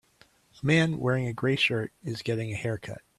A man wearing a gray shirt is getting a haircut.